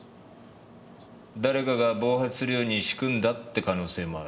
誰かが暴発するように仕組んだって可能性もある。